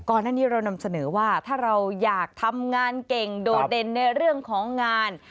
ก่อนหน้านี้เรานำเสนอว่าถ้าเราอยากทำงานเก่งโดดเด่นในเรื่องของงาน